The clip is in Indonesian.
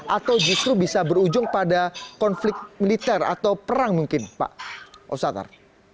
atau justru bisa berujung pada konflik militer atau perang mungkin pak ustadzar